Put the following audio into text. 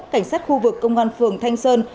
cảnh sát khu vực công an phường thanh sơn